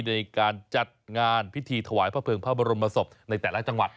ในการจัดงานพิธีถวายพระเภิงพระบรมศพในแต่ละจังหวัด